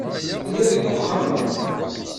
Tella deg uxxam-a.